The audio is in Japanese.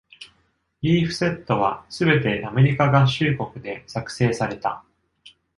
リーフセットはすべてアメリカ合衆国で作成された。